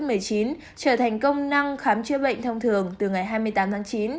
trở thành công năng khám chữa bệnh thông thường từ ngày hai mươi tám tháng chín